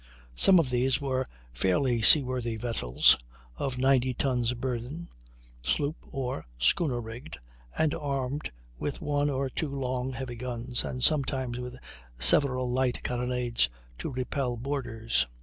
Some of these were fairly sea worthy vessels, of 90 tons burden, sloop or schooner rigged, and armed with one or two long, heavy guns, and sometime with several light carronades to repel boarders.